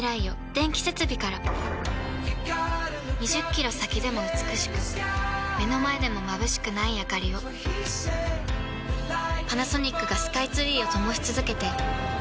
２０キロ先でも美しく目の前でもまぶしくないあかりをパナソニックがスカイツリーを灯し続けて今年で１０年